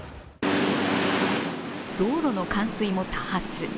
道路の冠水も多発。